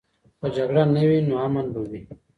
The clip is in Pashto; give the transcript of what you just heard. که جګړه نه وي، نو امن به وي.